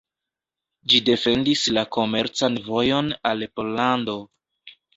Ĝi defendis la komercan vojon al Pollando.